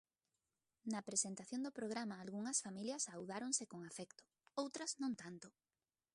Na presentación do programa algunhas familias saudáronse con afecto; outras, non tanto.